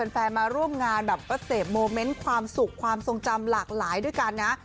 แฟนมาร่วมงานแบบก็เสพโมเมนต์ความสุขความทรงจำหลากหลายด้วยกันนะ